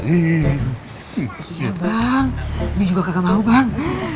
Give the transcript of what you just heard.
iya bang gue juga gak mau bang